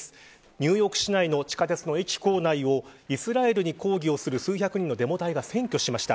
ニューヨーク市内の地下鉄の構内でイスラエルに抗議をする数百人のデモ隊が占拠しました。